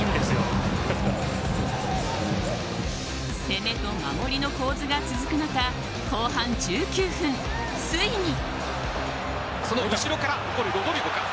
攻めと守りの構図が続く中後半１９分、ついに。